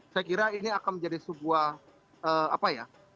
saya kira ini akan menjadi sebuah apa ya